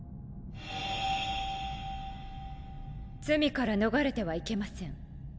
罪から逃れてはいけません。